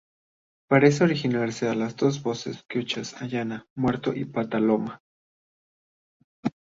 Parece originarse de dos voces quechuas Aya: muerto y Pata: loma.